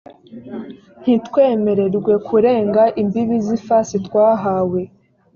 ntitwemerwe kurenga imbibi z’ifasi twahawe